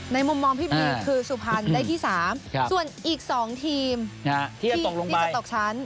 มุมมองพี่บีคือสุพรรณได้ที่๓ส่วนอีก๒ทีมที่จะตกชั้น